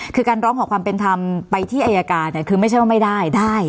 คือการร้องขอความเป็นธรรมไปที่อายการเนี่ยคือไม่ใช่ว่าไม่ได้ได้